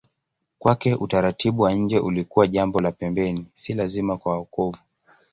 Kwake utaratibu wa nje ulikuwa jambo la pembeni, si lazima kwa wokovu.